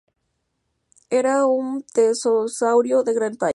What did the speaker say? Era un pterosaurio de gran talla.